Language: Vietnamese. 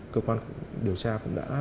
cơ quan điều tra cũng đã